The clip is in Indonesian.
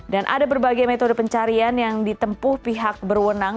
dan ada berbagai metode pencarian yang ditempuh pihak berwenang